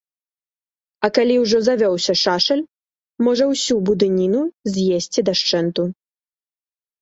А калі ўжо завёўся шашаль, можа ўсю будыніну з'есці дашчэнту.